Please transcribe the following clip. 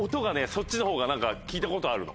そっちの方が聞いたことあるの。